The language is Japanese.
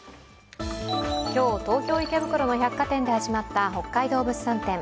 今日、東京・池袋の百貨店で始まった北海道物産展。